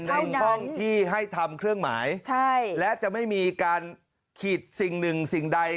ในช่องที่ให้ทำเครื่องหมายใช่และจะไม่มีการขีดสิ่งหนึ่งสิ่งใด